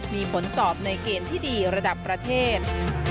มีผลสอบในเกณฑ์ที่ดีระดับประเทศ